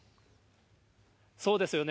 そうですよね。